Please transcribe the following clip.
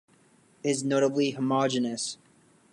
It is notably homogeneous.